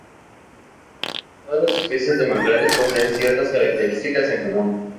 Todas las especies de manglares poseen ciertas características en común.